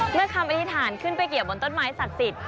คำอธิษฐานขึ้นไปเกี่ยวบนต้นไม้ศักดิ์สิทธิ